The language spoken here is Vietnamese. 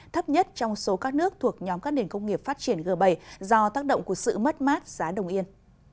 thấp nhất trong số các nước thuộc nhóm các nền công nghiệp phát triển g bảy do tác động của sự mất mát giá đồng yên